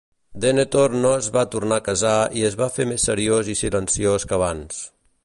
Denethor no es va tornar a casar i es va fer més seriós i silenciós que abans.